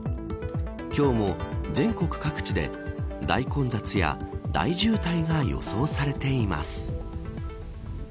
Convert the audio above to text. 今日も全国各地で大混雑や大渋滞が予想されています。